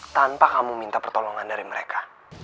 tanpa kamu minta pertolongan dari mereka